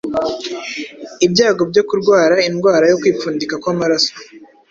ibyago byo kurwara indwara yo kwipfundika kw’amaraso